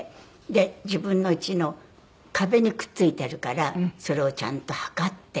で自分の家の壁にくっ付いてるからそれをちゃんと測って。